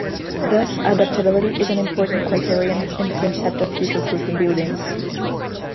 Thus adaptability is an important criterion in the concept of future-proofing buildings.